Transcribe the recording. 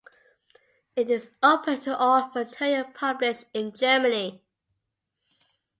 It is open to all material published in Germany.